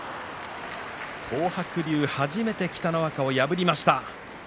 東白龍、初めて北の若を破りました。